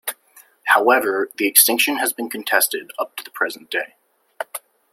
However, the extinction has been contested up to the present day.